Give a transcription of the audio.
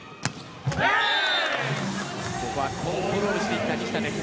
ここはコントロールしていった西田。